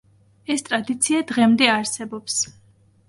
ეს ტრადიცია დღემდე არსებობს.